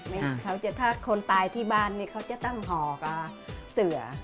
ไม่มีเขาจะถ้าคนตายที่บ้านเขาจะตั้งหอกเสือ